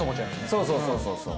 そうそうそうそうそう。